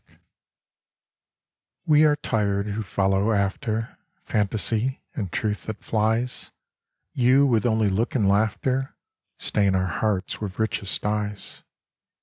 29 WE are tired who follow after Phantasy and truth that flies : You with only look and laughter Stain our hearts with richest dyes.